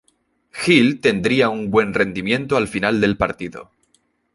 Gil tendría un buen rendimiento a final del partido.